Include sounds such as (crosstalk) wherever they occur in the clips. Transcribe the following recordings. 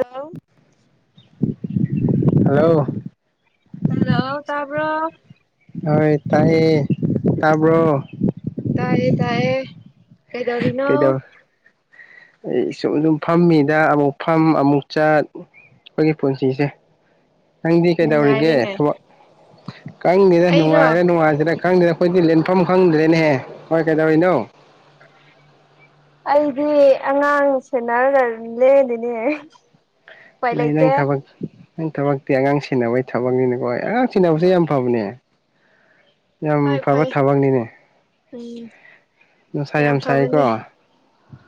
Hello hello hello ꯇꯥꯕ꯭ꯔꯣ ꯇꯥꯏ ꯇꯥꯕꯣ ꯇꯥꯏꯌꯦ ꯇꯥꯏꯌꯦ ꯀꯩꯗꯧꯔꯤꯅꯣ ꯀꯩꯗꯧ ꯑꯩ ꯁꯨꯝ ꯑꯗꯨꯝ ꯐꯝꯃꯤꯗ ꯑꯃꯨꯛ ꯐꯝ ꯑꯃꯨꯛ ꯆꯠ ꯑꯩꯒꯤ ꯄꯨꯟꯁꯤꯁꯦ ꯅꯪꯗꯤ ꯀꯩꯗꯧꯔꯤꯒꯦ ꯅꯨꯡꯉꯥꯏꯔꯦꯅꯦ ꯊꯕꯛ ꯀꯪꯅꯤꯗ ꯑꯩꯔꯣ ꯅꯨꯡꯉꯥꯏꯔ ꯅꯨꯡꯉꯥꯏꯇꯤꯔ ꯈꯪꯗꯅ ꯑꯩꯈꯣꯏꯗꯤ ꯂꯦꯟꯐꯝ ꯈꯪꯗ꯭ꯔꯦꯅꯦꯍꯦ ꯍꯣꯏ ꯀꯩꯗꯧꯔꯤꯅꯣ ꯑꯩꯗꯤ ꯑꯉꯥꯡ ꯁꯦꯟꯅꯔꯒ ꯂꯦꯜꯂꯤꯅꯦ ꯎꯄꯥꯏ ꯅꯣꯏ ꯂꯩꯇꯦ ꯅꯪ ꯊꯕꯛ ꯅꯪ ꯊꯕꯛꯇꯤ ꯑꯉꯥꯡ ꯁꯦꯟꯅꯕꯒꯤ ꯊꯕꯛꯅꯤꯅꯦꯀꯣ ꯑꯉꯥꯡ ꯁꯤꯟꯅꯕꯁꯦ ꯍꯣꯏ ꯌꯥꯝ ꯐꯕꯅꯦ ꯌꯥꯝ ꯐꯩ ꯐꯕ ꯐꯩ ꯊꯕꯛꯅꯤꯅꯦ ꯎꯝ ꯅꯨꯡꯁꯥꯏ ꯌꯥꯝ ꯁꯥꯏꯀꯣ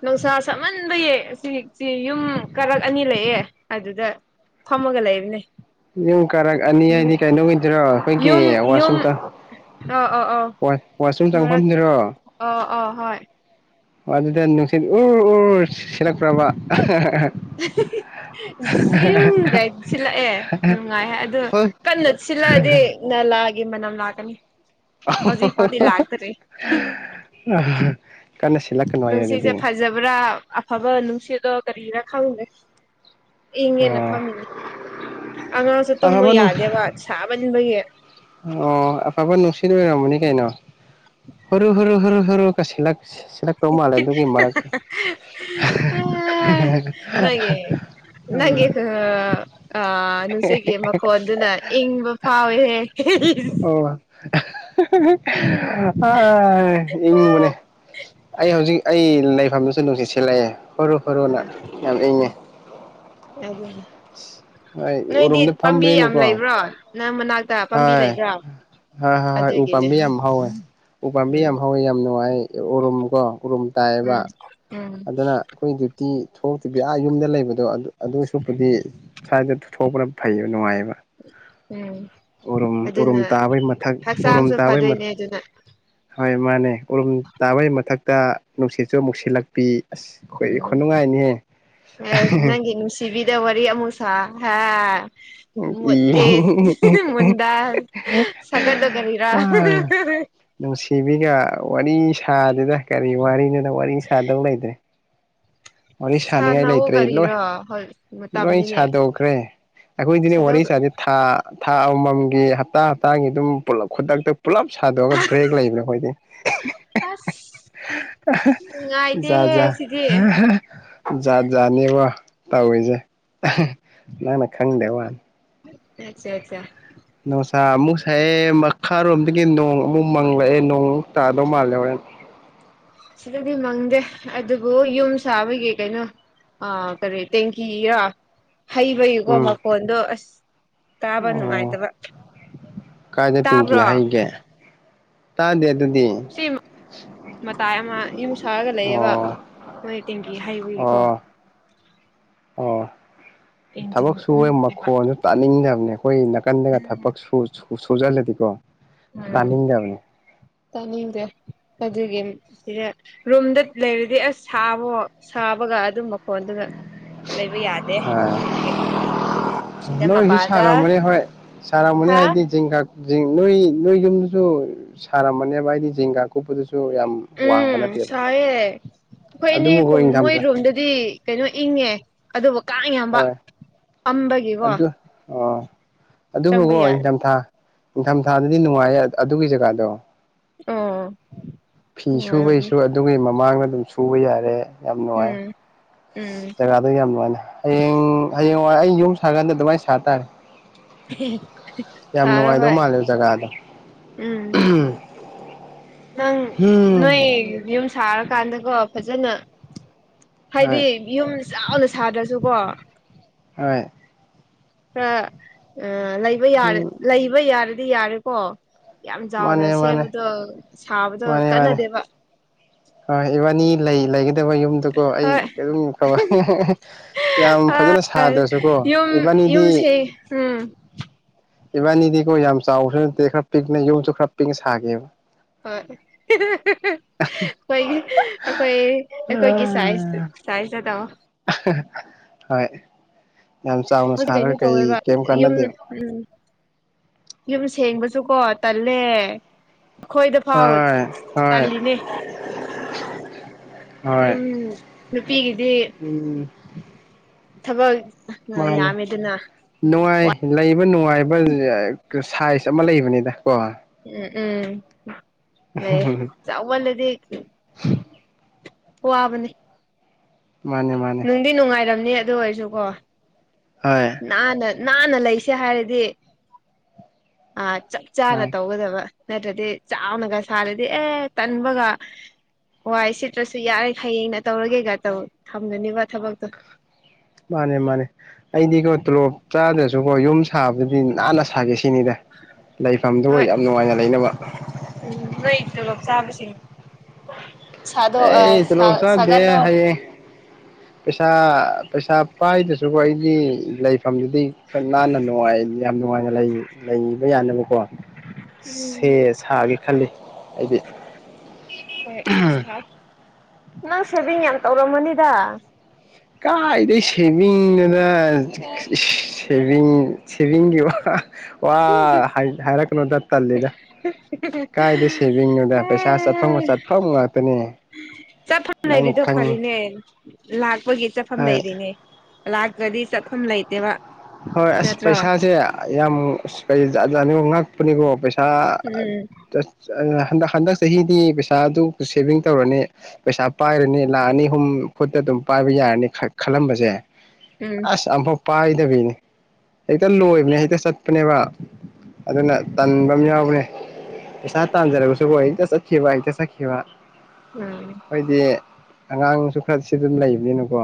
ꯅꯨꯡꯁꯥ ꯁꯍꯟꯕꯌꯦ ꯑꯁꯤꯁꯤ ꯌꯨꯝ ꯀꯔꯛ ꯑꯅꯤ ꯂꯩꯑꯦ ꯑꯗꯨꯗ ꯐꯝꯃꯒ ꯂꯩꯕꯅꯦ ꯌꯨꯝ ꯀꯥꯔꯛ ꯑꯅꯤ ꯍꯥꯏꯗꯤ ꯀꯩꯅꯧꯒꯤꯗꯣꯏꯔꯣ ꯑꯩꯈꯣꯏꯒꯤ ꯌꯨꯝ ꯌꯨꯝ ꯋꯥꯁꯔꯨꯝ ꯆꯠ ꯑꯥ ꯑꯥ ꯑꯥ ꯋꯥꯁꯔꯨꯝ ꯃꯔꯛ ꯆꯪꯐꯝꯗꯨꯔꯣ ꯑꯥ ꯑꯥ ꯍꯣꯏ ꯑꯗꯨꯗ ꯅꯨꯡꯁꯤꯠ ꯎꯔ ꯎꯔ ꯁꯤꯠꯂꯛꯄ꯭ꯔꯕ ꯍꯥ ꯍꯥ ꯍꯦ ꯍꯦ ꯖꯤꯝꯒꯥꯏ ꯁꯤꯜꯂꯛꯑꯦ ꯅꯨꯡꯉꯥꯏ ꯍꯥꯏ ꯑꯗꯨ ꯍꯣꯏ ꯀꯟꯅ ꯁꯤꯜꯂꯛꯑꯗꯤ ꯅꯂꯥ ꯃꯅꯝ ꯂꯥꯛꯀꯅꯤ ꯍꯧꯖꯤꯛ ꯐꯥꯎꯗꯤ ꯂꯥꯛꯇꯔꯤ ꯀꯟꯅ ꯁꯤꯜꯂꯛꯀꯅꯣ ꯍꯥꯏꯌꯦ ꯅꯨꯡꯁꯤꯠꯁꯦ ꯑꯗꯨꯗꯤ ꯐꯖꯕ꯭ꯔꯥ ꯑꯐꯕ ꯅꯨꯡꯁꯤꯠꯔꯣ ꯀꯔꯤꯔꯥ ꯈꯪꯗꯦ ꯏꯪꯉꯦꯅ ꯑꯣ ꯐꯝꯃꯤꯅꯦ ꯑꯉꯥꯡꯁꯨ ꯇꯨꯝꯃꯨ ꯑꯐꯕ ꯅꯨꯡ ꯌꯥꯗꯦꯕ ꯁꯥꯃꯟꯕꯒꯤ ꯑꯣ ꯑꯐꯕ ꯅꯨꯡꯁꯤ ꯑꯣꯏꯔꯝꯃꯅꯤ ꯀꯩꯅꯣ ꯍꯨꯔꯨ ꯍꯨꯔꯨ ꯍꯨꯔꯨ ꯍꯨꯔꯨ ꯀ ꯁꯤꯠꯂꯛ ꯍꯦ ꯍꯦ ꯍꯥꯍꯥꯍꯥ ꯑꯥ ꯅꯣꯏꯒꯤ ꯅꯪꯒꯤ ꯑꯥ ꯅꯨꯡꯁꯤꯠꯀꯤ ꯃꯈꯣꯟꯗꯨꯅ ꯏꯪꯕ ꯐꯥꯎꯋꯦꯍꯦ ꯍꯦ ꯍꯦ ꯍꯦ ꯑꯍꯥꯍꯥꯍꯥ ꯑꯥ ꯏꯪꯕꯅꯦ ꯑꯩ ꯍꯧꯖꯤꯛ ꯑꯩ ꯂꯩꯐꯝ ꯅꯨꯡꯁꯨ ꯅꯨꯡꯁꯤꯠ ꯂꯛꯑꯦ ꯍꯨꯔꯨ ꯍꯨꯔꯨꯅ ꯌꯥꯝ ꯏꯪꯉꯦ ꯑꯗꯨꯗꯤ ꯍꯣꯏ ꯅꯣꯏꯗꯤ ꯎꯔꯨꯝꯗ ꯄꯥꯝꯕꯤ ꯌꯥꯝ ꯐꯝꯕꯅꯤꯅꯀꯣ ꯂꯩꯕ꯭ꯔꯣ ꯅꯪ ꯃꯅꯥꯛꯇ ꯄꯥꯝꯕꯤ ꯂꯩꯕ꯭ꯔꯥ ꯍꯥ ꯍꯥ ꯍꯣꯏ ꯎ ꯑꯗꯨꯒꯤꯅꯦ ꯄꯥꯝꯕꯤ ꯌꯥꯝ ꯍꯧꯑꯦ ꯎꯄꯥꯝꯕꯤ ꯎꯝ ꯌꯥꯝ ꯍꯧꯋꯤ ꯌꯥꯝ ꯅꯨꯡꯉꯥꯏ ꯎꯔꯨꯝ ꯀꯣ ꯎꯔꯨꯝ ꯇꯥꯏꯑꯦꯕ ꯎꯝ ꯎꯝ ꯑꯗꯨꯅ ꯑꯩꯈꯣꯏꯗꯤ ꯇꯤ ꯊꯣꯛꯇ꯭ꯔꯤꯕ ꯑꯥ ꯌꯨꯝꯗ ꯂꯩꯕꯗꯣ ꯑꯗꯨ ꯑꯗꯨꯁꯨꯄꯨꯗꯤ ꯁ꯭ꯋꯥꯏꯗ ꯊꯣꯛꯄꯅ ꯐꯩꯌꯦꯕ ꯅꯨꯡꯉꯥꯏꯌꯦꯕ ꯎꯝ ꯎꯔꯨꯝ ꯎꯔꯨꯝ ꯑꯗꯨꯅ ꯇꯥꯕꯩ ꯃꯊꯛ ꯎꯔꯨꯝ ꯍꯛꯆꯥꯡꯁꯨ ꯇꯥꯕꯩ ꯃ ꯐꯗꯣꯏꯅꯦ ꯑꯗꯨꯅ ꯍꯣꯏ ꯃꯥꯅꯦ ꯎꯔꯨꯝ ꯇꯥꯕꯒꯤ ꯃꯊꯛꯇ ꯅꯨꯡꯁꯤꯠꯁꯨ ꯑꯃꯨꯛ ꯁꯤꯜꯂꯛꯄꯤ ꯑꯁ ꯑꯩꯈꯣꯏꯗꯤ ꯎꯝ ꯈꯨꯅꯨꯡꯉꯥꯏꯅꯤꯍꯦ ꯑꯦ ꯅꯪꯒꯤ ꯅꯨꯡꯁꯤꯕꯤꯗ ꯋꯥꯔꯤ ꯑꯃꯨꯛ ꯁꯥ ꯍꯥ ꯏ ꯃꯦꯠꯇꯦ ꯃꯣꯟꯗ ꯁꯒꯠꯂꯒ ꯂꯦꯔꯥ ꯑ ꯍꯥꯍꯥꯍ ꯅꯨꯡꯁꯤꯕꯤꯒ ꯋꯥꯔꯤ ꯁꯥꯗꯦꯗ ꯀꯔꯤ ꯋꯥꯔꯤꯅꯤꯅ ꯋꯥꯔꯤ ꯁꯥꯗꯧ ꯂꯩꯇ꯭ꯔꯦ ꯋꯥꯔꯤ ꯁꯥꯅꯤꯡꯉꯥꯏ ꯁꯥꯟꯅꯧꯋꯣ ꯂꯩꯇ꯭ꯔꯦ ꯂꯣꯏ ꯀꯔꯤꯔꯣ ꯍꯣꯏ ꯂꯣꯏ ꯃꯇꯝꯅꯤꯅꯦ ꯁꯥꯗꯣꯛꯈ꯭ꯔꯦ꯫ ꯑꯩꯈꯣꯏꯗꯤꯅꯦ ꯋꯥꯔꯤ ꯁꯥꯗꯣꯛꯈ꯭ꯔꯣ ꯆꯁꯤ ꯊꯥ ꯊꯥ ꯑꯃꯃꯝꯒꯤ ꯍꯞꯇꯥ ꯍꯞꯇꯥꯒꯤ ꯑꯗꯨꯝ ꯄꯨꯂꯞ ꯈꯨꯗꯛꯇ ꯄꯨꯜꯂꯞ ꯁꯥꯗꯣꯛꯑꯒ ꯕ꯭ꯔꯦꯛ ꯂꯩꯕꯅꯦ ꯑꯩꯈꯣꯏꯗꯤ ꯑꯁ ꯍꯤꯍꯤꯍꯤ ꯅꯨꯡꯉꯥꯏꯇꯦꯍꯦ ꯖꯥꯖꯥ ꯁꯤꯗꯤ ꯖꯥꯠ ꯖꯥꯠꯅꯦꯕ ꯇꯧꯔꯤꯁꯦ ꯑꯍ ꯅꯪꯅ ꯈꯪꯗꯦ ꯋꯥꯅꯤ ꯑ ꯆꯥ ꯆꯥ ꯅꯨꯡꯁꯥ ꯑꯃꯨꯛ ꯁꯥꯏꯑꯦ ꯃꯈꯥꯔꯣꯝꯗꯒꯤ ꯅꯣꯡ ꯑꯃꯨꯛ ꯃꯪꯂꯛꯑꯦ ꯅꯣꯡꯃꯨꯛ ꯇꯥꯗꯧ ꯃꯥꯜꯂꯦ ꯍꯧꯔꯦꯟ ꯁꯤꯗꯗꯤ ꯃꯪꯗꯦ ꯑꯗꯨꯕꯨ ꯌꯨꯝ ꯁꯥꯕꯒꯤ ꯀꯩꯅꯣ ꯑꯥ ꯀꯔꯤ ꯇꯦꯡꯀꯤꯔꯥ ꯍꯩꯕꯒꯤꯀꯣ ꯎꯝ ꯃꯈꯣꯟꯗꯣ ꯑꯁ ꯇꯥꯕ ꯑꯣ ꯅꯨꯡꯉꯥꯏꯇꯕ ꯀꯥꯏꯗ ꯇꯤꯡꯒꯤ ꯇꯥꯕ꯭ꯔꯣ ꯍꯩꯒꯦ ꯇꯥꯗꯦ ꯑꯗꯨꯗꯤ ꯁꯤ ꯃꯇꯥꯏ ꯑꯃ ꯌꯨꯝ ꯁꯥꯔꯒ ꯂꯩꯌꯦꯕ ꯑꯣ ꯃꯣꯏ ꯇꯦꯡꯒꯤ ꯍꯩꯕꯒꯤꯀꯣ꯫ ꯑꯣ ꯑꯣ ꯏꯟꯖꯤꯟ ꯊꯕꯛ ꯁꯨꯋꯦ ꯎꯪꯗꯦꯕ ꯃꯈꯣꯟꯁꯨ ꯇꯥꯅꯤꯡꯗꯕꯅꯦ ꯑꯩꯈꯣꯏ ꯅꯥꯀꯟꯗꯒ ꯊꯕꯛ ꯁꯨꯁꯨꯖꯜꯂꯗꯤꯀꯣ ꯇꯥꯅꯤꯡꯗꯕꯅꯦ ꯆꯥꯅꯤꯡꯗꯦ ꯑꯗꯨꯒꯤ ꯁꯤꯗ ꯔꯨꯝꯗ ꯂꯩꯔꯗꯤ ꯑꯁ ꯁꯥꯕꯣ ꯁꯥ ꯁꯥꯕꯒ ꯑꯗꯨ ꯃꯈꯣꯟꯗꯨ ꯂꯩꯕ ꯌꯥꯗꯦ ꯑ ꯑꯗꯨꯒꯤ ꯁꯤꯗ ꯅꯣꯏꯁꯨ ꯃꯄꯥꯟꯗ ꯁꯥꯔꯝꯃꯅꯤ ꯍꯣꯏ ꯁꯥꯔꯃꯅꯤ ꯍꯥ ꯍꯥꯏꯗꯤ ꯖꯤꯡꯒ ꯖꯤꯡ ꯅꯣꯏ ꯅꯣꯏ ꯌꯨꯝꯗꯨꯁꯨ ꯁꯥꯔꯝꯕꯅꯦꯕ ꯍꯥꯏꯗꯤ ꯖꯤꯡꯒꯥ ꯀꯨꯞꯄꯗꯨꯁꯨ ꯁꯨ ꯌꯥꯝ ꯋꯥꯡꯕ ꯅꯠꯇꯦꯕ ꯑꯩꯈꯣꯏꯅꯦ ꯑꯗꯨꯕꯨꯀꯣ ꯀꯨꯝ ꯃꯣꯏ ꯏꯪꯊꯝꯊꯥ ꯔꯨꯝꯗꯨꯗꯤ ꯀꯩꯅꯣ ꯏꯪꯉꯦ ꯑꯗꯨꯕꯨ ꯀꯥꯡ ꯌꯥꯝꯕ ꯍꯣꯏ ꯑꯝꯕꯒꯤꯀꯣ ꯑꯗꯨ ꯑ ꯆꯪꯕ ꯑꯗꯨꯕꯨꯒꯣ ꯌꯥꯗꯦ ꯏꯊꯝꯊꯥ ꯅꯤꯡꯊꯝꯊꯥꯗꯗꯤ ꯅꯨꯡꯉꯥꯏꯌꯦ ꯑꯗꯨꯒꯤ ꯖꯒꯥꯗꯣ ꯑꯣ ꯐꯤ ꯅꯨꯡꯉꯥꯏꯔꯝꯅꯤ ꯁꯨꯕꯩꯁꯨ ꯑꯗꯨꯒꯤ ꯃꯃꯥꯡꯗ ꯑꯗꯨꯝ ꯁꯨꯕ ꯌꯥꯔꯦ ꯌꯥꯝ ꯅꯨꯡꯉꯥꯏ ꯎꯝ ꯎꯝ ꯖꯒꯥꯗ ꯌꯥꯝ ꯅꯨꯡꯉꯥꯏꯅꯦ ꯍꯌꯦꯡ ꯍꯌꯦꯡꯋꯥꯏ ꯑꯩ ꯌꯨꯝ ꯁꯥꯀꯥꯟꯗ ꯑꯗꯨꯃꯥꯏꯅ ꯁꯥꯇꯥꯔꯦ꯫ ꯌꯥꯝ ꯁꯥꯔꯣ ꯅꯨꯡꯉꯥꯏꯗꯧ ꯍꯣꯏ ꯃꯥꯂꯦ ꯖꯒꯥꯗꯣ ꯎꯝ ꯅꯪ ꯅꯣꯏ ꯌꯨꯝ ꯁꯥꯔꯀꯥꯟꯗꯀꯣ ꯐꯖꯅ ꯍꯥꯏꯗꯤ ꯍꯣꯏ ꯌꯨꯝ ꯆꯥꯎꯅ ꯁꯥꯗ꯭ꯔꯁꯨꯀꯣ ꯍꯣꯏ ꯈꯔ ꯂꯩꯕ ꯌꯨꯝ ꯌꯥꯔ ꯂꯩꯕ ꯌꯥꯔꯗꯤ ꯌꯥꯔꯦꯀꯣ ꯌꯥꯝ ꯆꯥꯎꯅ ꯃꯥꯅꯦ ꯃꯥꯅꯦ ꯁꯦꯝꯕꯗꯣ ꯁꯥꯕꯗꯣ ꯀꯥꯟꯅꯗꯦꯕ ꯑ ꯏꯕꯅꯤ ꯂꯩ ꯂꯩ ꯇꯦ ꯑꯈꯣꯢ ꯌꯨꯝꯗꯨꯀꯣ ꯑꯩ ꯍꯣꯏ ꯔꯨꯝ ꯇꯧꯕ ꯌꯥꯝ ꯐꯖꯅ ꯁꯥꯗ꯭ꯔꯁꯨꯀꯣ ꯌꯨꯝ ꯏꯕꯅꯤ ꯌꯨꯝꯁꯦ ꯎꯝ ꯏꯕꯥꯅꯤꯗꯤꯀꯣ ꯌꯥꯝ ꯆꯥꯎꯕꯁꯨ ꯅꯠꯇꯦ ꯈꯔ ꯄꯤꯛꯅ ꯌꯨꯝꯁꯨ ꯈꯔ ꯄꯤꯛꯅ ꯁꯥꯒꯦꯕ ꯍꯣꯏ ꯑꯩ ꯑꯩꯈꯣꯏ ꯑꯩꯈꯣꯏꯒꯤꯥ ꯁꯥꯏꯖꯇ ꯁꯥꯢꯖꯇ ꯇꯧꯑꯣ ꯍꯣꯏ ꯌꯥꯝ ꯆꯥꯎꯅ ꯃꯁꯤ ꯀꯩꯅꯣ ꯁꯥꯔꯒ ꯀꯩ ꯇꯧꯋꯦꯕ ꯀꯩꯝ ꯌꯨꯝ ꯀꯥꯟꯅꯗꯦꯕ ꯎꯝ ꯌꯨꯝ ꯁꯦꯡꯕꯁ ꯁꯨ ꯀꯣ ꯇꯜꯂꯦ ꯑꯩꯈꯣꯏꯗ ꯐꯥꯎ ꯍꯣꯏ ꯍꯣꯏ ꯇꯜꯂꯤꯅꯦ ꯍꯣꯏ ꯌꯨꯝ ꯅꯨꯄꯤꯒꯤꯗꯤ ꯎꯝ ꯊꯕꯛ ꯃꯅꯦ ꯌꯥꯝꯃꯦꯗꯅ ꯅꯨꯡꯉꯥꯏ ꯂꯩ ꯅꯨꯡꯉꯥꯏꯕ ꯁꯥꯏꯖ ꯑꯃ ꯂꯩꯕꯅꯤꯗ ꯀꯣ ꯎꯝ ꯎꯝ ꯂꯩꯌꯦ ꯆꯥꯎ ꯃꯜꯂꯗꯤ ꯋꯥꯕꯅꯤ ꯃꯥꯅꯦ ꯃꯥꯅꯦ ꯅꯨꯡꯗꯤ ꯅꯨꯡꯉꯥꯏꯔꯝꯅꯤ ꯑꯗꯨ ꯑꯣꯏꯔꯁꯨꯀꯣ ꯍꯣꯏ ꯅꯥꯟꯅ ꯅꯥꯟꯅ ꯂꯩꯁꯦ ꯍꯥꯏꯔꯗꯤ ꯑꯥ ꯆꯞ ꯆꯥꯅ ꯍꯣꯏ ꯇꯧꯒꯗꯕ ꯅꯠꯇ꯭ꯔꯗꯤ ꯆꯥꯎꯅꯒ ꯁꯥꯔꯗꯤ ꯑꯦ ꯇꯟꯕꯒ ꯋꯥꯏ ꯁꯤꯠꯇ꯭ꯔꯁꯨ ꯌꯥꯔꯦ ꯍꯌꯦꯡꯅ ꯇꯧꯔꯒꯦꯒ ꯊꯝꯒꯅꯦꯕ ꯊꯕꯛꯇꯣ ꯃꯥꯅꯦ ꯃꯥꯅꯦ ꯑꯩꯗꯤꯀꯣ ꯇꯣꯂꯣꯞ ꯆꯥꯗ꯭ꯔꯁꯨꯀꯣ ꯌꯨꯝ ꯁꯥꯕꯗꯗꯤ ꯅꯥꯟꯅ ꯁꯥꯒꯦꯁ ꯁꯤꯅꯤꯗ ꯂꯩꯐꯝꯗꯨꯒ ꯍꯣꯏ ꯌꯥꯝ ꯅꯨꯡꯉꯥꯏꯅ ꯂꯩꯅꯕ ꯎꯝ ꯅꯣꯏ ꯇꯣꯂꯣꯞ ꯆꯥꯕꯁꯤꯡ ꯁꯥꯗꯣꯛ ꯑ ꯑꯦ ꯁꯥ ꯇꯣꯂꯣꯞ ꯆꯥꯗꯦ ꯁꯥꯒꯠꯂꯣ ꯍꯥꯏꯌꯦ ꯄꯩꯁꯥ ꯄꯩꯁꯥ ꯄꯥꯏꯗꯁꯨꯀꯣ ꯑꯩꯗꯤ ꯂꯩ ꯃꯐꯝꯗꯨꯗꯤ ꯈꯔ ꯅꯥꯟꯅ ꯅꯨꯡ ꯌꯥꯝ ꯅꯨꯡꯉꯥꯏꯅ ꯂꯩꯕ ꯌꯥꯅꯕꯀꯣ ꯁꯦ ꯎꯝ ꯁꯥꯒꯦ ꯈꯜꯂꯤ ꯑꯩꯗꯤ ꯍꯣꯏ ꯅꯪ ꯁꯦꯚꯤꯡ ꯌꯥꯝ ꯇꯧꯔꯝꯃꯅꯤꯗ ꯀꯥꯏꯗꯩ ꯁꯦꯚꯤꯡꯅꯣꯗ ꯁꯦꯚꯤꯡ ꯁꯦꯚꯡꯒꯤ ꯋꯥ ꯍꯥ ꯍꯥ ꯋꯥ ꯍꯥꯏꯔꯛꯀꯅꯣꯗ ꯇꯜꯂꯤꯗ ꯀꯥꯏꯗ ꯁꯦꯚꯤꯡꯅꯣꯗ ꯄꯩꯁꯥ ꯆꯠꯐꯝ ꯍꯦ ꯆꯠꯐꯝ ꯉꯥꯛꯇꯅꯦ ꯆꯠꯐꯝ ꯅꯪꯅ ꯂꯩꯔꯤꯗꯣ ꯈꯪ ꯐꯔꯤꯅꯦ ꯂꯥꯛꯄꯒꯤ ꯆꯠꯐꯝ ꯍꯣꯏ ꯂꯩꯔꯤꯅꯦ ꯂꯥꯛꯇ꯭ꯔꯗꯤ ꯆꯠꯐꯝ ꯂꯩꯇꯦꯕ ꯍꯣꯏ ꯑꯁ ꯅꯠꯇ꯭ꯔꯣ ꯄꯩꯁꯥꯁꯦ ꯌꯥꯝ ꯀꯩ ꯖꯠ ꯖꯠꯅꯤꯀꯣ ꯉꯛꯄꯅꯤꯀꯣ ꯄꯩꯁꯥ ꯁꯥꯁ ꯎꯝ ꯆꯠ ꯆꯔ ꯍꯟꯗꯛ ꯍꯟꯗꯛ ꯆꯍꯤꯗꯤ ꯄꯩꯁꯥ ꯑꯗꯨ ꯁꯦꯚꯤꯡ ꯇꯧꯔꯅꯤ ꯄꯩꯁꯥ ꯄꯥꯏꯔꯅꯤ ꯂꯥꯛ ꯑꯅꯤ ꯑꯍꯨꯝ ꯈꯩꯠꯇ ꯄꯥꯏꯕ ꯌꯥꯔꯅꯤ ꯈꯜꯂꯝꯕꯁꯦ ꯎꯝ ꯑꯁ ꯑꯃꯨꯛ ꯄꯥꯏꯗꯕꯤꯅꯤ ꯍꯦꯛꯇ ꯂꯣꯏꯕꯅꯦ ꯍꯦꯛꯇ ꯆꯠꯄꯅꯦꯕ ꯑꯗꯨꯅ ꯇꯟꯕ ꯑꯃ ꯌꯥꯎꯕꯅꯦ ꯄꯩꯁꯥ ꯇꯥꯟꯖꯔꯒꯁꯨ ꯍꯣ ꯍꯦꯛꯇ ꯆꯠꯈꯤꯕ ꯍꯦꯛꯇ ꯆꯠꯈꯤꯕ ꯎꯝ ꯑꯩꯏꯗꯤ ꯑꯉꯥꯡꯁꯨ ꯈꯔꯁꯨ ꯑꯗꯨꯝ ꯂꯩꯕꯅꯤꯅꯀꯣ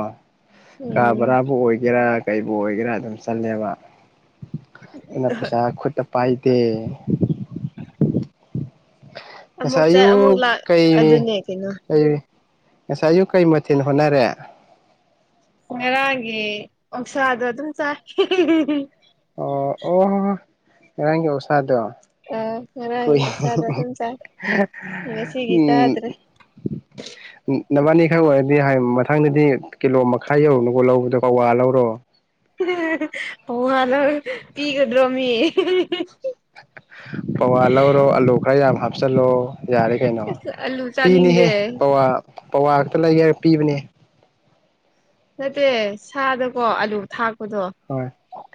ꯀꯥ ꯎꯝ ꯕꯔꯥꯕꯨ ꯑꯣꯏꯒꯦꯔꯥ ꯀꯩꯕꯨꯨ ꯑꯣꯏꯒꯦꯔꯥ ꯑꯗꯨꯝ ꯆꯜꯂꯦꯕ ꯑꯗꯨꯅ ꯄꯩꯁꯥ ꯈꯨꯠꯇ ꯄꯥꯏꯗꯦ (inaudible) ꯉꯁꯥꯏ ꯑꯃꯨꯛ ꯆꯠ ꯑꯃꯨꯛ ꯑꯌꯨꯛ ꯂꯥꯛ ꯀꯩ ꯑꯗꯨꯅꯦ ꯀꯩꯅꯣ ꯂꯩꯔꯦ ꯉꯁꯥꯏ ꯑꯌꯨꯛ ꯀꯩ ꯃꯊꯦꯜ ꯍꯣꯠꯅꯔꯦ ꯉꯔꯥꯡꯒꯤ ꯑꯣꯛꯁꯥꯗꯣ ꯑꯗꯨꯝ ꯆꯥꯏ ꯍꯦ ꯍꯦ ꯍꯦ ꯑꯣ ꯑꯣ ꯑꯣ ꯉꯔꯥꯡꯒꯤ ꯑꯣꯁꯥꯗꯣ ꯑꯥ ꯉꯔꯥꯡꯒꯤ ꯆꯗ ꯑꯗꯨꯝ ꯆꯥꯏ ꯉꯥꯁꯤꯒꯤ ꯆꯗ꯭ꯔꯦ (inaudible) ꯎꯝ ꯅꯕꯥꯅꯤꯈꯥꯏ ꯑꯣꯏꯔꯗꯤ ꯍꯥꯏ ꯃꯊꯪꯗꯗꯤ ꯀꯤꯂꯣ ꯃꯈꯥꯏ ꯌꯧꯔꯨꯅꯨ ꯂꯧꯕꯗ ꯄꯥ ꯋꯥ ꯂꯧꯔꯣ ꯍꯥ ꯍꯦ ꯍꯥ ꯍꯦ ꯄꯋꯥ ꯂꯧꯔꯒ ꯄꯤꯒꯗ꯭ꯔꯣ ꯃꯤ ꯍꯤ ꯍꯤ ꯄꯋꯥ ꯂꯧꯔꯣ ꯑꯂꯨ ꯈꯔ ꯌꯥꯝ ꯍꯥꯞꯆꯤꯜꯂꯣ ꯌꯥꯔꯦ ꯀꯩꯅꯣ ꯑꯁ ꯑꯂꯨ ꯄꯤꯅꯤꯍꯦ ꯆꯥꯅꯤꯡꯗꯦ ꯄꯋꯥ ꯄꯋꯥ ꯈꯛꯇ ꯂꯩꯒꯦ ꯍꯥꯏꯔ ꯄꯤꯕꯅꯦ ꯅꯠꯇꯦ ꯁꯥꯗꯀꯣ ꯑꯂꯨ ꯊꯥꯛꯄꯗꯣ ꯍꯣꯏ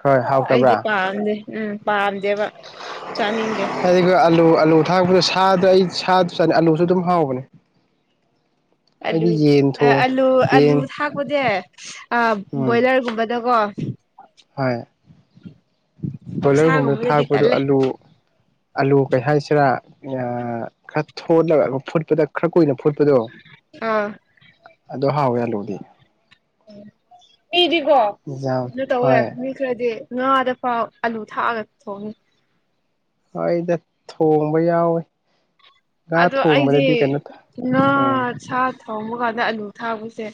ꯍꯣꯏ ꯑꯩꯗꯤ ꯍꯥꯎꯇꯕ꯭ꯔꯥ ꯄꯥꯝꯗꯦ ꯎꯝ ꯄꯥꯝꯗꯦꯕ ꯆꯥꯅꯤꯡꯗꯦ ꯑꯥꯂꯨ ꯊꯥꯛꯄꯗ ꯁꯥꯗ ꯑꯩ ꯁꯥꯗꯨꯁꯨ ꯆꯥꯅꯤ ꯑꯥꯂꯨꯁꯨ ꯑꯗꯨꯝ ꯍꯥꯎꯕꯅꯦ ꯑꯂꯨ ꯑꯩꯗꯤ ꯌꯦꯟ ꯊꯣꯡ ꯑꯂꯨ ꯑꯂꯨ ꯌꯦꯟ ꯊꯥꯛꯄꯖꯦ ꯎꯝ ꯕꯣꯏꯂꯔꯒꯨꯝꯕꯗꯀꯣ (inaudible) ꯍꯣꯏ ꯕꯣꯏꯂꯔꯒꯨꯝꯕꯗ ꯑꯣꯛꯁꯥꯒꯨꯝꯕꯗꯗꯤ ꯊꯥꯛꯄꯗꯣ ꯇꯜꯂꯦ ꯑꯂꯨ ꯑꯂꯨ ꯀꯩ ꯍꯥꯏꯁꯤꯔꯥ ꯈꯔ ꯊꯣꯂꯒ ꯐꯨꯠꯄꯗ ꯈꯔ ꯀꯨꯏꯅ ꯐꯨ ꯑꯥ ꯑꯗ ꯍꯥꯎꯋꯦꯜꯂꯨꯗꯤ ꯎꯝ ꯃꯤꯗꯤꯀꯣ ꯏꯟꯖꯥꯡ ꯀꯩꯅꯣ ꯇꯧꯋꯦ ꯍꯣꯏ ꯃꯤ ꯈꯔꯗꯤ ꯉꯥꯗ ꯐꯥꯎ ꯑꯂꯨ ꯊꯥꯛꯑꯒ ꯊꯣꯡꯉꯤ ꯑꯩꯗ ꯊꯣꯡꯕ ꯌꯥꯎꯋꯤ ꯑꯗꯣ ꯑꯩꯗꯤ ꯉꯥ ꯎꯝ ꯁꯥ ꯊꯣꯡꯕ ꯀꯥꯟꯗ ꯑꯂꯨ ꯊꯥꯕꯁꯦ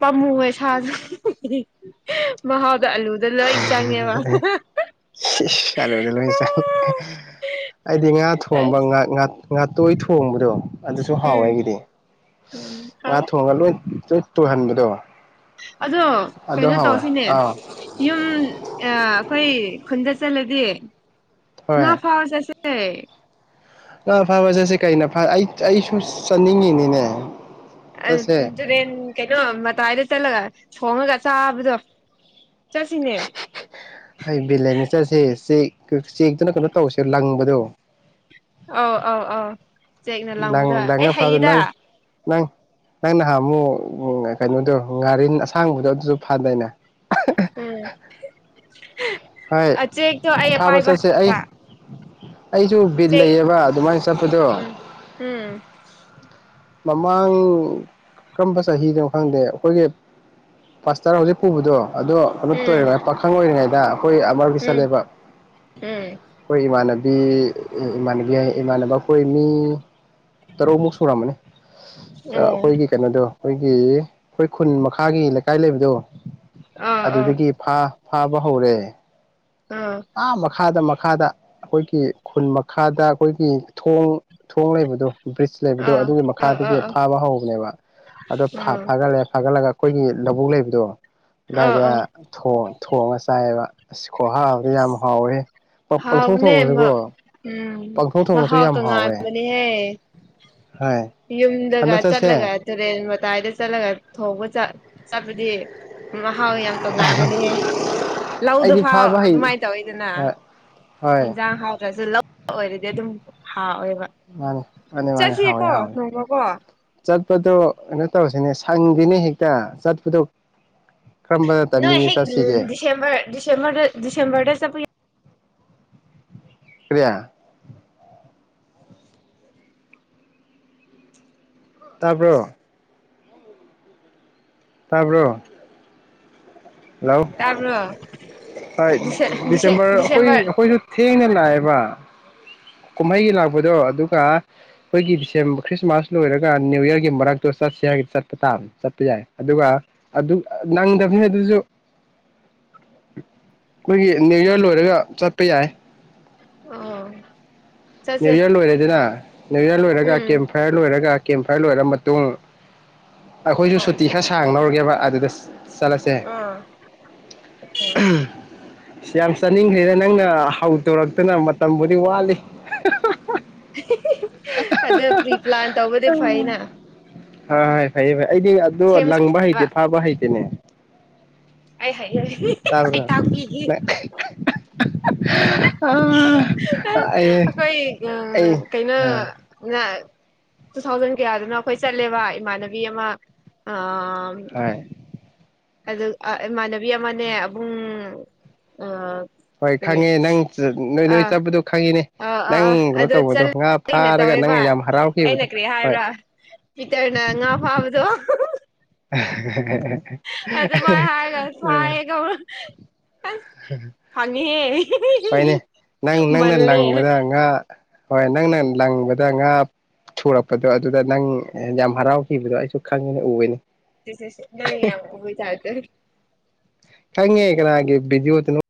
ꯄꯥꯝꯃꯨꯉ ꯁꯥꯁꯨ ꯍꯦꯍꯦ ꯃꯍꯥꯎꯗ ꯑꯂꯨ ꯂꯣꯏ ꯆꯥꯡꯉꯦꯕ ꯍꯨ ꯍꯥ ꯍꯥ ꯏꯁ ꯏꯁ ꯑꯂꯨꯗ ꯂꯧ ꯆꯡꯉꯦ ꯑꯩꯗꯤ ꯉꯥ ꯊꯣꯡꯕ ꯎꯝ ꯉꯥ ꯉꯥꯇꯣꯏ ꯊꯣꯡꯕꯗꯣ ꯑꯗꯨꯁꯨ ꯍꯥꯎꯋꯦꯒꯤꯗꯤ ꯎꯝ ꯉꯥ ꯍꯥꯎꯋꯦ ꯊꯣꯡꯉꯒ ꯂꯣꯏ ꯇꯨꯍꯟꯕꯗꯣ ꯑꯗꯣ ꯀꯩꯅꯣ ꯇꯧꯁꯤꯅꯦ ꯑꯥ ꯌꯨꯝ ꯑꯥ ꯑꯩꯈꯣꯏ ꯈꯨꯟꯗ ꯆꯠꯂꯗꯤ ꯉꯥ ꯍꯣꯏ ꯐꯥꯎ ꯆꯠꯁꯦ ꯉꯥ ꯐꯕ ꯆꯠꯁꯤꯦ ꯀꯩꯅ ꯑꯩ ꯑꯩꯁꯨ ꯆꯠꯅꯤꯡꯉꯤꯅꯤꯅꯦ ꯑꯥ ꯆꯠꯁꯦ ꯇꯨꯔꯦꯜ ꯀꯩꯅꯣ ꯃꯇꯥꯏꯗ ꯆꯠꯂꯒꯥ ꯊꯣꯡꯉꯒ ꯆꯥꯕꯗꯣ ꯆꯠꯁꯤꯅꯦ ꯑꯩ ꯕꯦꯂꯦꯛꯅ ꯆꯠꯁꯦ ꯆꯦꯛ ꯆꯦꯛꯇꯨꯅ ꯀꯩꯅꯣ ꯇꯧꯁꯦ ꯂꯪꯕꯗꯣ ꯑꯥꯎ ꯑꯧ ꯑꯧ ꯆꯦꯛꯅ ꯂꯥꯎꯉꯨꯗ ꯂꯪ ꯑꯩ ꯂꯪꯉ ꯐꯥꯕꯗꯣ ꯍꯩꯌꯦꯗ ꯅꯪ ꯅꯪ ꯅꯪ ꯅꯍꯥꯟ ꯑꯃꯨꯛ ꯀꯩꯅꯣꯗꯣ ꯉꯥꯔꯤ ꯑꯁꯥꯡꯕꯗꯣ ꯑꯗꯨꯁꯨ ꯐꯗꯥꯏꯅꯦ ꯍꯣꯏ ꯎꯝ ꯆꯦꯛꯇꯣ ꯑꯩ ꯐꯥꯕ ꯄꯥꯏꯕ ꯆꯠꯁꯦ ꯍꯩ ꯑꯩ ꯑꯩꯁꯨ ꯕꯤꯠ ꯂꯩꯌꯦꯕ ꯑꯗꯨꯃꯥꯏꯅ ꯆꯠꯄꯗꯣ ꯎꯝ ꯎꯝ ꯃꯃꯥꯡ ꯀꯔꯝꯕ ꯆꯍꯤꯗꯣ ꯈꯪꯗꯦ ꯑꯩꯈꯣꯏꯒꯤ ꯄꯥꯁꯇꯔ ꯍꯧꯖꯤꯛ ꯄꯨꯕꯗꯣ ꯑꯗꯣ ꯀꯩꯅꯣ ꯎꯝ ꯇꯣꯏꯔꯤꯉꯥꯏ ꯄꯥꯈꯪ ꯑꯣꯏꯔꯤꯉꯩꯗ ꯑꯩꯈꯣꯏ ꯑꯃꯔꯒꯤ ꯎꯝ ꯆꯠꯂꯦꯕ ꯑꯩ ꯏꯃꯥꯟ ꯏꯃꯥꯟꯅꯕꯤ ꯏꯃꯥꯟꯅꯕ ꯑꯩꯈꯣꯏ ꯃꯤ ꯇꯔꯨꯛꯃꯨꯛ ꯁꯨꯔꯝꯃꯅꯤ ꯎꯝ ꯑꯩꯈꯣꯏꯒꯤ ꯀꯩꯅꯣꯗꯣ ꯑꯩꯈꯣꯏꯒꯤ ꯑꯩꯈꯣꯏ ꯈꯨꯟ ꯃꯈꯥꯒꯤ ꯂꯩꯀꯥꯏ ꯂꯩꯕꯗꯣ ꯑꯣ ꯑꯥ ꯑꯗꯨꯗꯒꯤ ꯐꯥꯕ ꯐꯥꯕ ꯍꯧꯔꯦ ꯑꯥ ꯃꯈꯥꯗ ꯃꯈꯥꯗ ꯑꯩꯈꯣꯏꯒꯤ ꯈꯨꯟ ꯃꯈꯥꯗ ꯑꯩꯈꯣꯏꯒꯤ ꯊꯣꯡ ꯊꯣꯡ ꯂꯩꯕꯗꯣ ꯕ꯭ꯔꯤꯖ ꯂꯩꯕꯗꯣ ꯑꯥ ꯑꯗꯨꯒꯤ ꯑꯥ ꯑꯥ ꯃꯈꯥꯗꯒꯤ ꯑꯥ ꯐꯥꯕ ꯍꯧꯕꯅꯦꯕ ꯑꯗꯣ ꯐ ꯑꯥ ꯐꯒꯠꯂꯦ ꯐꯒꯠꯂꯒ ꯑꯩꯈꯣꯏꯒꯤ ꯂꯧꯕꯨꯛ ꯂꯩꯕꯗꯣ ꯑꯥ ꯑꯗꯨꯏꯗ ꯑꯥ ꯊꯣꯡ ꯊꯣꯡꯉꯥꯒ ꯆꯥꯏꯌꯦꯕ ꯈꯨꯍꯥꯑꯣꯗꯤ ꯑꯗꯨ ꯌꯥꯝ ꯍꯥꯎꯋꯦ ꯍꯥꯎꯅꯦ ꯊꯣꯡꯉꯁꯨꯀꯣ ꯎꯝ ꯄꯪꯊꯣꯡ ꯊꯣꯡꯉꯁꯨ ꯃꯍꯥꯎ ꯌꯥꯝ ꯍꯥꯎꯋꯦ ꯇꯉꯥꯟꯕꯅꯦꯍꯦ ꯍꯣꯏ ꯌꯨꯝꯗꯒ ꯍꯟꯗꯛ ꯆꯠꯁꯦ ꯆꯂꯒ ꯇꯨꯔꯦꯜ ꯃ ꯀꯗꯥꯏꯗ ꯆꯠꯂꯒ ꯊꯧꯕ ꯆꯠ ꯆꯠꯄꯗꯤ ꯃꯍꯥꯎ ꯌꯥꯝ ꯇꯣꯉꯥꯟꯕꯅꯦꯍꯦ ꯑꯩꯗꯤ ꯂꯧꯗ ꯥꯎ ꯐꯥꯕ ꯍꯩ ꯑꯗꯨꯃꯥꯏ ꯇꯧꯋꯤꯗꯅ ꯍꯣꯏ ꯍꯣꯏ ꯍꯟꯖꯥꯡ ꯍꯥꯎꯗ꯭ꯔꯁꯨ ꯂꯧ ꯑꯣꯏꯔꯗꯤ ꯑꯗꯨꯝ ꯍꯥꯎꯋꯦꯕ ꯃꯥꯅꯤ ꯃꯥꯅꯦ ꯃꯥꯅꯦ ꯍꯥꯎ ꯆꯠꯁꯦꯀꯣ ꯍꯥꯎꯣꯏ ꯅꯣꯡꯃꯀꯣ ꯆꯠ ꯆꯠꯄꯗꯣ ꯀꯩꯅꯣ ꯇꯧꯔꯁꯤꯅꯦ ꯁꯪꯗꯅꯦ ꯍꯦꯛꯇ ꯆꯠꯄꯗꯣ ꯀꯔꯝꯕ ꯅꯣꯏ ꯇꯥꯏꯃꯤꯡꯗ ꯍꯦꯛ ꯆꯠꯁꯤꯒꯦ ꯗꯤꯁꯦꯝꯔ ꯗꯤꯁꯦꯝꯔꯗ ꯗꯤꯁꯦꯝꯕꯔꯗ ꯆꯠꯄ ꯀꯔꯤ ꯇꯥꯕ꯭ꯔꯣ ꯇꯥꯕ꯭ꯔꯣ ꯍꯜꯂꯣ ꯇꯥꯕ꯭ꯔꯣ ꯍꯣꯏ ꯗꯤꯁꯦ ꯗꯤꯁꯦ ꯗꯤꯁꯦꯝꯕꯔ ꯑꯩꯈꯣꯏ ꯑꯩꯈꯣꯏꯅ ꯊꯦꯡꯅ ꯂꯥꯛꯑꯦꯕ ꯕ ꯀꯨꯝꯍꯩꯒꯤ ꯂꯥꯛꯄꯗꯣ ꯑꯗꯨꯒ ꯑꯩꯈꯣꯏꯒꯤ ꯗꯤꯁꯦꯝ ꯈ꯭ꯔꯤꯁꯃꯥꯁ ꯂꯣꯏꯔꯒ ꯅꯅꯤꯌꯨ ꯌ꯭ꯔꯒꯤ ꯃꯔꯛꯇꯣ ꯆꯠꯁ ꯍꯥꯏꯔꯒ ꯆꯠꯄ ꯇꯥꯕꯅꯤ ꯆꯠꯄ ꯌꯥꯏ ꯑꯗꯨꯒ ꯑꯗꯨ ꯅꯪꯗꯕꯅꯤ ꯑꯗꯨꯁꯨ (inaudible) ꯑꯩꯈꯣꯏꯒꯤ ꯅ꯭ꯌꯨ ꯌꯔ ꯂꯣꯏꯔꯒ ꯆꯠꯄ ꯌꯥꯏ ꯑꯣ ꯆꯠꯁꯦ ꯅ꯭ꯌꯨꯌꯔ ꯂꯣꯏꯔꯦꯗꯅ ꯅ꯭ꯌꯨꯌꯔ ꯂꯣꯏꯔꯒ ꯎꯝ ꯀꯦꯝ ꯐꯥꯏꯌꯔ ꯂꯣꯏꯔꯒ ꯀꯦꯝꯐꯥꯏꯌꯔ ꯂꯣꯏꯔ ꯃꯇꯨꯡ ꯑꯩꯈꯣꯏꯁꯨ ꯁꯨꯇꯤ ꯈꯔ ꯁꯥꯡ ꯅꯧꯔꯒꯦꯕ ꯑꯗꯨꯗ ꯆꯠꯂꯁꯦ ꯑꯥ ꯌꯥꯝ ꯆꯥꯅꯤꯡꯈꯦꯗ ꯅꯪꯅ ꯍꯧꯗꯣꯔꯛꯇꯅ ꯃꯇꯝꯕꯨꯗꯤ ꯋꯥꯠꯂꯤ (inaudible) (inaudible) ꯑꯗ ꯄ꯭ꯔꯤ ꯄ꯭ꯂꯥꯟ ꯇꯧꯕꯗꯤ ꯐꯩꯅ ꯍ ꯍꯣꯏ ꯐꯩꯌꯦ ꯐꯩ ꯑꯩꯗꯤ ꯑꯗꯨ ꯁꯦꯝ ꯂꯪꯕ ꯁꯥꯕ ꯍꯩꯇꯦ ꯐꯥꯕ ꯍꯩꯇꯦꯅꯦ ꯑꯩ ꯍꯩꯌꯦ ꯑꯩ ꯇꯥꯕ꯭ꯔꯥ ꯇꯥꯛꯄꯤꯒꯦ (inaudible) (inaudible) ꯑꯩ ꯑꯩꯈꯣꯏ ꯑꯩ ꯎ ꯀꯩꯅꯣ ꯑꯥ ꯇꯨ ꯊꯥꯎꯖꯟ ꯀꯌꯥꯗꯅꯣ ꯑꯩꯈꯣꯏ ꯆꯠꯂꯦꯕ ꯏꯃꯥꯟꯅꯕꯤ ꯑꯃ ꯑꯪ ꯍꯣꯏ ꯑꯗꯨ ꯏꯃꯥꯟꯅꯕꯤ ꯑꯃꯅꯦ ꯑꯕꯨꯡ ꯑꯥ ꯍꯣꯏ ꯀꯔꯤ ꯈꯪꯉꯦ ꯅꯪ ꯅ ꯅꯣꯏ ꯑꯥ ꯆꯠꯄꯗꯣ ꯈꯪꯉꯤꯅꯦ ꯑꯥ ꯑꯥ ꯅꯪ ꯑꯥ ꯀꯩꯅꯣ ꯑꯗꯣ ꯇꯧꯕꯗꯣ ꯉꯥ ꯆꯠꯂꯩꯅ ꯐꯥꯔꯒ ꯇꯧꯋꯦꯕ ꯅꯪꯅ ꯌꯥꯝ ꯑꯩꯅ ꯍꯔꯥꯎꯈꯤꯕꯗꯣ ꯀꯔꯤ ꯍꯣꯏ ꯍꯥꯏꯕ꯭ꯔꯥ ꯄꯤꯇꯔꯅ ꯉꯥ ꯐꯥꯝꯕꯗꯣ (inaudible) (inaudible) (inaudible) ꯐꯪꯉꯦꯍꯦ ꯐꯩꯏꯅꯦ ꯅꯪ ꯅꯪꯅ ꯂꯪꯕꯗ ꯉꯥ ꯍꯣꯏ ꯅꯪ ꯅ ꯂꯪꯕꯗ ꯉꯥ ꯊꯨꯔꯛꯄꯗꯣ ꯑꯗꯨꯗ ꯅꯪ ꯌꯥꯝ ꯍꯔꯥꯎꯈꯤꯕꯗꯣ ꯑꯩꯁꯨ ꯈꯪꯉꯦꯅꯦ ꯎꯋꯦꯅꯦ ꯏꯁ ꯏꯁ ꯅꯪ ꯌꯥꯝ ꯎꯕꯒꯤ ꯇꯥꯏꯞꯇ ꯈꯪꯉꯦ ꯀꯅꯥꯒꯤ ꯕꯤꯗꯤꯑꯣꯗꯅꯣ